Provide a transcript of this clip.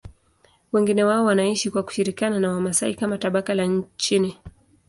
Wengi wao wanaishi kwa kushirikiana na Wamasai kama tabaka la chini.